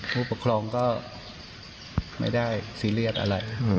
ผู้ปกครองก็ไม่ได้ซีเรียสอะไร